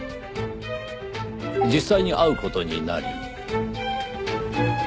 実際に会う事になり。